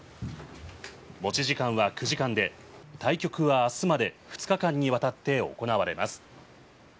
持ち時間は９時間で対局は明日まで２日間にわたって行われます。